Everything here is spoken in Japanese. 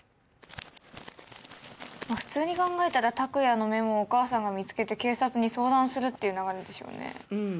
普通に考えたら拓哉のメモお母さんが見つけて警察に相談するっていうのがあるでしょうね。